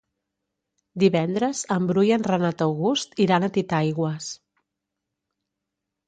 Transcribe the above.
Divendres en Bru i en Renat August iran a Titaigües.